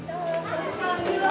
こんにちは。